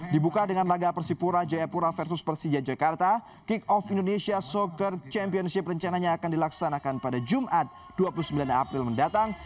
dibuka dengan laga persipura jayapura versus persija jakarta kick off indonesia soccer championship rencananya akan dilaksanakan pada jumat dua puluh sembilan april mendatang